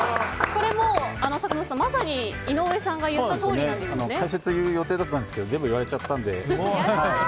これは坂本さんまさに井上さんが解説する予定だったんですけど全部言われちゃったんで。